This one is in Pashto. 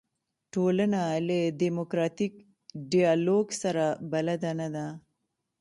ټولنه له دیموکراتیک ډیالوګ سره بلده نه ده.